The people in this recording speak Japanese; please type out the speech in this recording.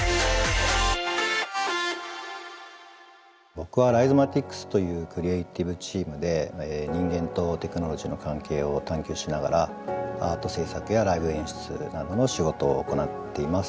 僕はライゾマティクスというクリエーティブチームで人間とテクノロジーの関係を探究しながらアート制作やライブ演出などの仕事を行っています。